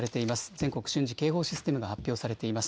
全国瞬時警報システムが発表されています。